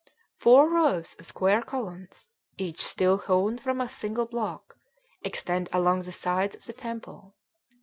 Four rows of square columns, each still hewn from a single block, extend along the sides of the temple.